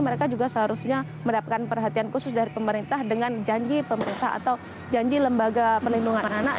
mereka juga seharusnya mendapatkan perhatian khusus dari pemerintah dengan janji pemerintah atau janji lembaga perlindungan anak